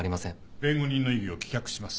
弁護人の異議を棄却します。